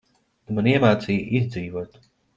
Tu man iemācīji izdzīvot.